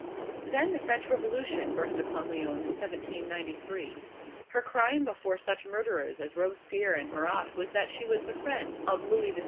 Then the French Revolution burst upon Lyons in 1793. Her crime before such murderers as Robespierre and Marat was that she was the friend of Louis XVI.